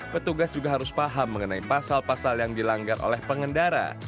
petugas juga harus paham mengenai pasal pasal yang dilanggar oleh pengendara